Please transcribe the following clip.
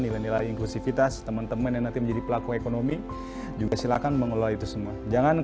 nilai nilai inklusivitas teman teman yang nanti menjadi pelaku ekonomi juga silakan mengelola itu semua jangan